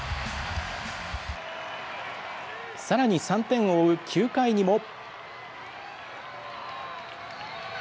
さらに３点を追う９回にも。